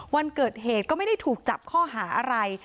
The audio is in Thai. วันเกิดเหตุก็ไม่ได้ถูกจับข้อหาอะไร